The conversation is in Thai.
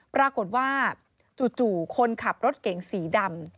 ปรากฏว่าจู่คนขับรถเก๋งสีดำ